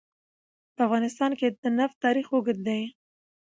په افغانستان کې د نفت تاریخ اوږد دی.